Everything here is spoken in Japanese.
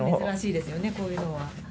珍しいですよねこういうのは。